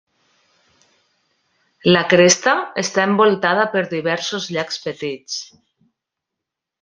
La cresta està envoltada per diversos llacs petits.